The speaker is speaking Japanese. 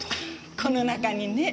この中にね